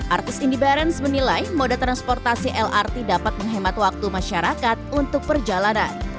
artis indy barrens menilai mode transportasi lrt dapat menghemat waktu masyarakat untuk perjalanan